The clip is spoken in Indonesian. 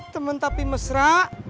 temen tapi mesra